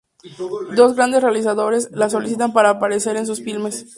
Dos grandes realizadores la solicitan para aparecer en sus filmes.